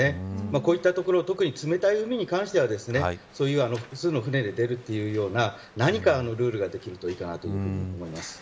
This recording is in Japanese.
こういったところ特に冷たい海に関してはそういう複数の船で出るというような何かのルールができるといいかなと思います。